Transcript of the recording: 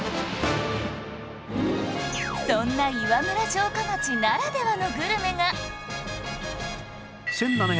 そんな岩村城下町ならではのグルメが